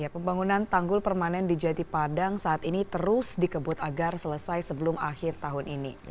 pembangunan tanggul permanen di jati padang saat ini terus dikebut agar selesai sebelum akhir tahun ini